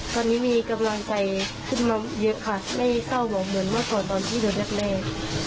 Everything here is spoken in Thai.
ตอนนี้มีกำลังใจขึ้นมาเยอะค่ะไม่เศร้าหมองเหมือนเมื่อก่อนตอนที่เดือนแรก